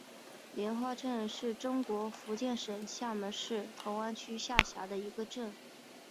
莲花镇是中国福建省厦门市同安区下辖的一个镇。